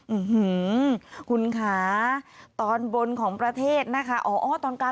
อื้อฮือคุณคะตอนบนของประเทศนะคะ